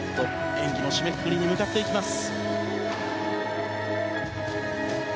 演技の締めくくりに向かいます。